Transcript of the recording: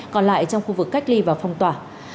còn lại trong khu vực cách ly và phong tỏa